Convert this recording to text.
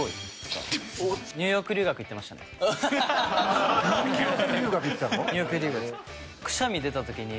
ニューヨーク留学行ってたの？